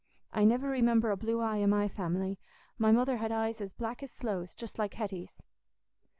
I niver remember a blue eye i' my family; my mother had eyes as black as sloes, just like Hetty's."